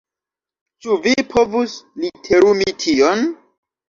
Ĉu vi povus literumi tion?